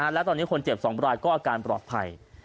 และคนเจ็บ๒ราชก็อาการปลอดภัย